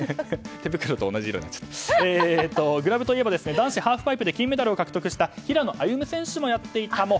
グラブといえば男子ハーフパイプで金メダルを獲得した平野歩夢選手もやっていました。